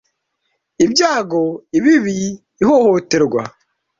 ibyago ibibi ihohoterwa